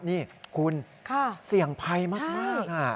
นี่คุณเสี่ยงภัยมาก